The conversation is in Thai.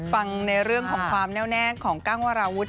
ฟังในเรื่องของความแน่วแน่ของกั้งวาราวุฒิ